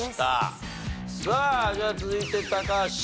さあじゃあ続いて高橋。